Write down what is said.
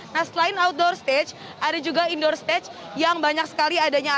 nah selain outdoor stage ada juga indoor stage yang banyak sekali adanya